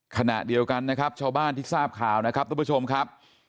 ขณะเดียวกันนะครับชาวบ้านที่ทราบข่าวนะครับทุกผู้ชมครับ